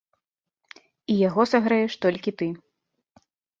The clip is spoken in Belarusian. І яго сагрэеш толькі ты.